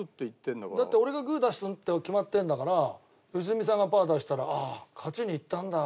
だって俺がグー出すって決まってるんだから良純さんがパー出したら「ああ勝ちにいったんだ